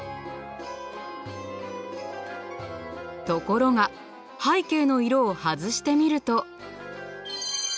ところが背景の色を外してみると。